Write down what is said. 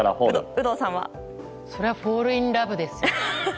そりゃフォール・イン・ラブですよ。